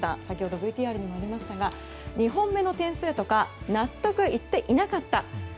先ほどＶＴＲにもありましたが２点目の点数とか納得いっていなかった。